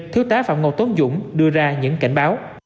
thiếu tá phạm ngọc tốn dũng đưa ra những cảnh báo